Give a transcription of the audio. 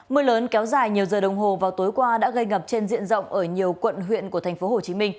mưa lớn kéo dài nhiều giờ đồng hồ vào tối qua đã gây ngập trên diện rộng ở nhiều quận huyện của tp hcm